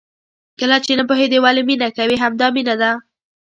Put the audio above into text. کله چې نه پوهېدې ولې مینه کوې؟ همدا مینه ده.